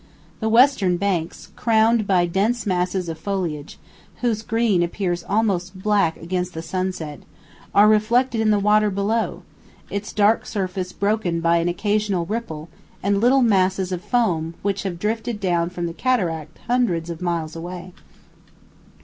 The western banks, crowned by dense masses of foliage, whose green appears almost black against the sunset, are reflected in the water below, its dark surface broken by an occasional ripple and little masses of foam which have drifted down from the cataract hundreds of miles away.